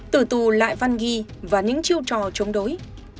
tử tù lại văn ghi và những chiêu trò chống đối